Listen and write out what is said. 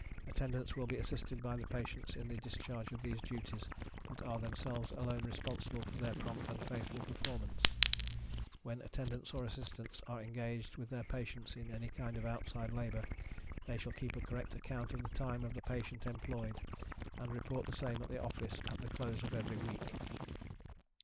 Attendants will be assisted by the patients in the discharge of these duties, but are themselves alone responsible for their prompt and faithful performance; when Attendants or Assistants are engaged with their patients in any kind of outside labor, they shall keep a correct account of the time of the patient employed, and report the same at the office at the close of every week.